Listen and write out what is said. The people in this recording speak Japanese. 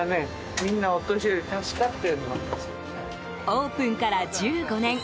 オープンから１５年。